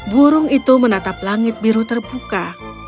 burung itu menatap langit biru terbuka